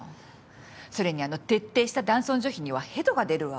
それにあの徹底した男尊女卑にはヘドが出るわ。